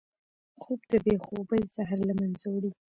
خوب د بې خوبۍ زهر له منځه وړي